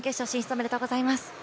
おめでとうございます。